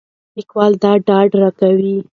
لیکوال دا ډاډ راکوي.